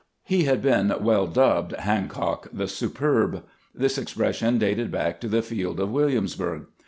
He had been well dubbed " Hancock the Superb." This expression dated back to the field of Williamsburg.